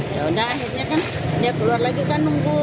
ya udah akhirnya kan dia keluar lagi kan nunggu